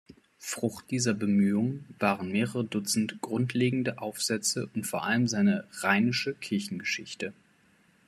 Frucht dieser Bemühungen waren mehrere Dutzend grundlegende Aufsätze und vor allem seine "Rheinische Kirchengeschichte.